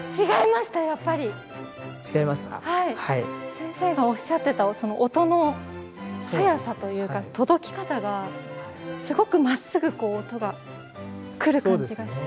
先生がおっしゃってた音の速さというか届き方がすごくまっすぐ音が来る感じがして。